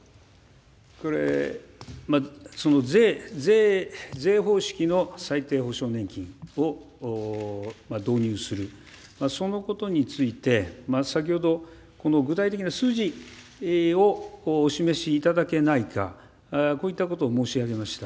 その税、税方式の最低保障年金を、導入する、そのことについて、先ほど、具体的な数字をお示しいただけないか、こういったことを申し上げました。